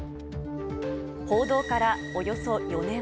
報道からおよそ４年。